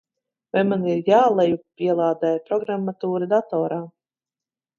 Vai man ir jālejupielādē programmatūra datorā?